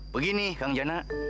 begini kang jana